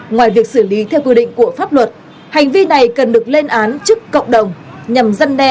ngoài việc xử lý theo quy định của pháp luật hành vi này cần được lên án trước cộng đồng nhằm giăn đe và tránh sự bao trẻ